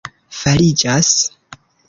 fariĝas